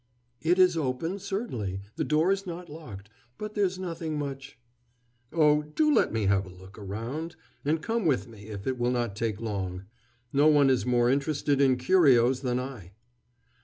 "It is open, certainly: the door is not locked, But there's nothing much " "Oh, do let me have a look around, and come with me, if it will not take long. No one is more interested in curios than I."